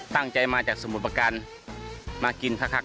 ตั้งใจมาจากสมุดประกันมากินคักเลย